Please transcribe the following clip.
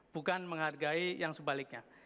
bukan menghargai yang sebaliknya